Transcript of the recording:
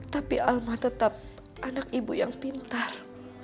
tapi alma tetap anak ibu yang pintar